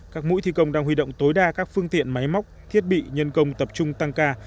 các mũi thi công đang huy động tối đa các phương tiện máy móc thiết bị nhân công tập trung tăng ca